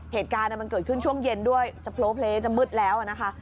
เหตุการณ์มันเกิดขึ้นช่วงเย็นด้วยจะโพลเพลย์จะมืดแล้วนะคะ